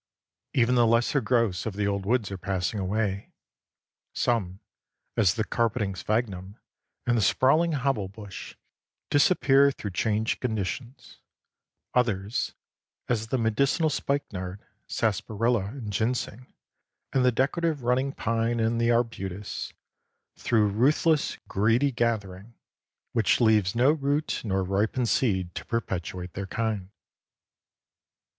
Even the lesser growths of the old woods are passing away. Some, as the carpeting sphagnum and the sprawling hobble bush, disappear through changed conditions; others, as the medicinal spikenard, sarsaparilla, and ginseng, and the decorative running pine and the arbutus, through ruthless, greedy gathering, which leaves no root nor ripened seed to perpetuate their kind.